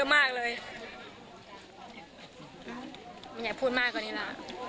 ไม่อยากพูดมากกว่านี้ล่ะ